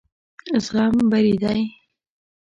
زغم بري دی.